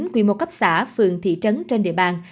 quy mô cấp xã phường thị trấn trên địa bàn